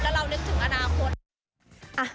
แล้วเรานึกถึงอนาคต